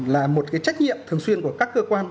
là một cái trách nhiệm thường xuyên của các cơ quan